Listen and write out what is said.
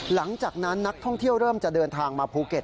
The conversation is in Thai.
หลังจากนั้นนักท่องเที่ยวเริ่มจะเดินทางมาภูเก็ต